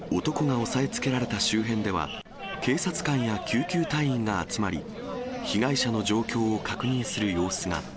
男が押さえつけられた周辺では、警察官や救急隊員が集まり、被害者の状況を確認する様子が。